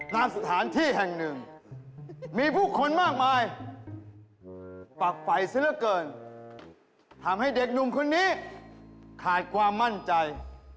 สถานที่แห่งหนึ่งมีผู้คนมากมายปักไฟซะละเกินทำให้เด็กหนุ่มคนนี้ขาดความมั่นใจ